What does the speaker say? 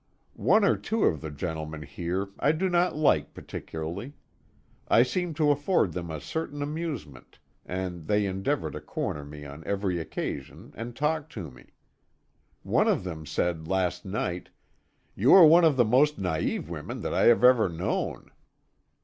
One or two of the gentlemen here I do not like particularly. I seem to afford them a certain amusement, and they endeavor to corner me on every occasion, and talk to me. One of them said last night: "You are one of the most naïve women that I have ever known."